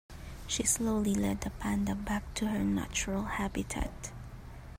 She slowly led the panda back to her natural habitat.